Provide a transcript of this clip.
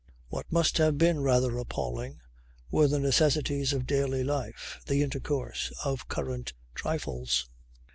What must have been rather appalling were the necessities of daily life, the intercourse of current trifles.